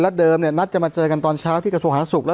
เดิมเนี่ยนัดจะมาเจอกันตอนเช้าที่กระทรวงหาสุขแล้ว